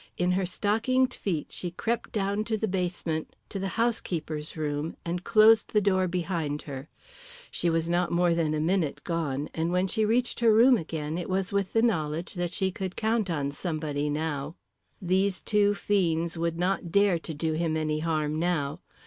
In her stockinged feet she crept down to the basement to the housekeeper's room and closed the door behind her. She was not more than a minute gone, and when she reached her room again it was with the knowledge that she could count on somebody now. These two fiends would not dare to do him any harm now.